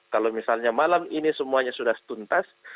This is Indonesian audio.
kalau misalnya malam ini semuanya sudah setuntas